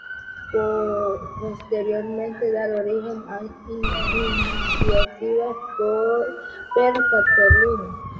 Posteriormente da origen a Iniciativa per Catalunya.